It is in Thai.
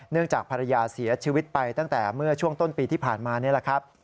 จากภรรยาเสียชีวิตไปตั้งแต่เมื่อช่วงต้นปีที่ผ่านมานี่แหละครับ